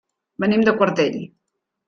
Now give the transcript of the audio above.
Venim de Quartell.